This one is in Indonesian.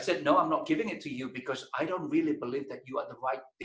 saya bilang tidak saya tidak memberikannya kepada anda karena